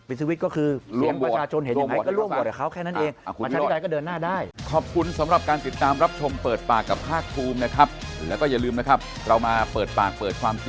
ปิดสวิตช์ก็คือเสียงประชาชนเห็นไหม